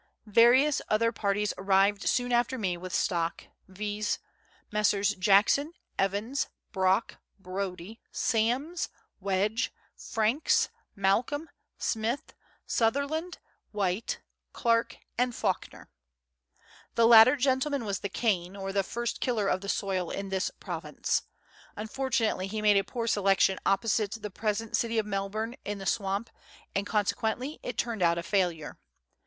Various other parties arrived soon after me with stock, viz.: Messrs. Jackson, Evans, Brock, Brodie, Sams, Wedge, Franks, Malcolm, Smith, Sutherland, Whyte, Clarke, and Fawkner. The latter gentleman was the Cain, or the first tiller of the soil in this province. Unfortunately he made a poor selection opposite the present city of Melbourne, in the swamp, and consequently it turned out a failure.